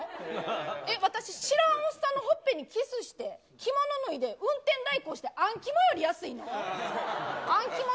えっ、私、知らんおっさんのほっぺにキスして、着物脱いで、運転代行してあん肝より安いの？